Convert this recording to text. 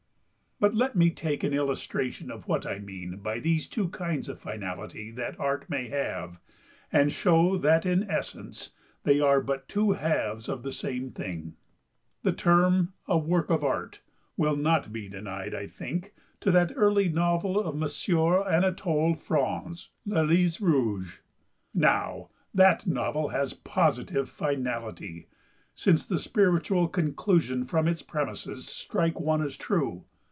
But let me take an illustration of what I mean by these two kinds of finality that Art may have, and show that in essence they are but two halves of the same thing. The term "a work of Art" will not be denied, I think, to that early novel of M. Anatole France, "Le Lys Rouge." Now, that novel has positive finality, since the spiritual conclusion from its premises strikes one as true.